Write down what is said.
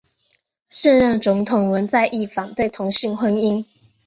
现任总统文在寅反对同性婚姻。